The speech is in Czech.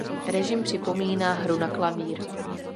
Režim připomíná hru na klavír.